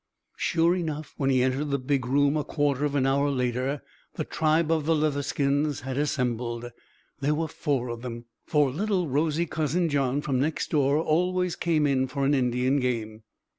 Sure enough when he entered the big room a quarter of an hour later the tribe of the Leatherskins had assembled. There were four of them, for little rosy Cousin John from next door always came in for an Indian game.